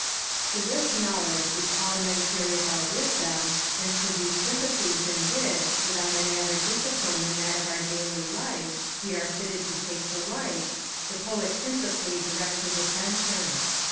To this knowledge which all men carry about with them, and to these sympathies in which, without any other discipline than that of our daily life, we are fitted to take delight, the Poet principally directs his attention.